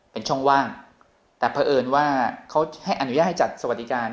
เป็นช่องว่างแต่เผอิญว่าเขาให้อนุญาตให้จัดสวัสดิการ